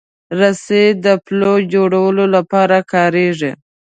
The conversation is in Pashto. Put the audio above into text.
رسۍ د پُل جوړولو لپاره کارېږي.